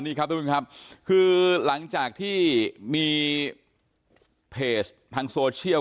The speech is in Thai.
นี้ครับทุกคนค่ะคือหลังจากที่มีเทสท์ทางโซเชียล